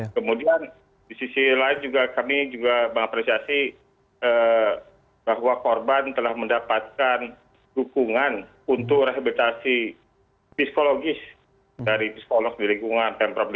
kemudian di sisi lain kami juga mengapresiasi bahwa korban telah mendapatkan dukungan untuk rehabilitasi psikologis dari psikolog di lingkungan pemprov dki